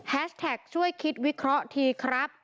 แท็กช่วยคิดวิเคราะห์ทีครับ